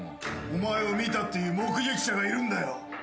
お前を見たっていう目撃者がいるんだよ。